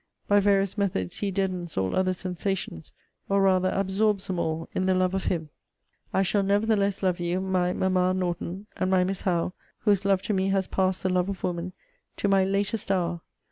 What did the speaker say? By various methods he deadens all other sensations, or rather absorbs them all in the love of him. I shall nevertheless love you, my Mamma Norton, and my Miss Howe, whose love to me has passed the love of woman, to my latest hour!